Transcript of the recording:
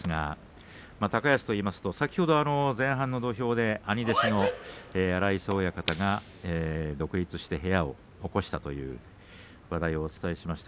高安といいますと前半の土俵で兄弟子の荒磯親方が独立して部屋を起こしたという話題をお伝えしました。